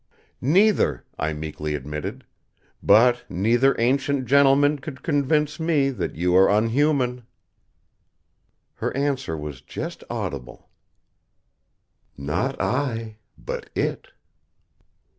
"Neither," I meekly admitted. "But neither ancient gentleman could convince me that you are unhuman." Her answer was just audible: "Not I but, It!"